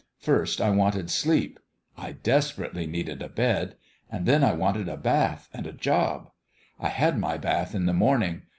First I wanted sleep I desperately needed a bed and then I wanted a bath and a job. I had my bath in the morning.